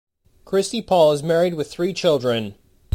Christi Paul is married with three children.